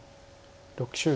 ６０秒。